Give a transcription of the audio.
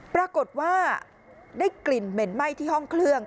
ปรากฏว่าได้กลิ่นเหม็นไหม้ที่ห้องเครื่อง